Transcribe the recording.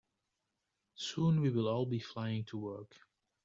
Soon, we will all be flying to work.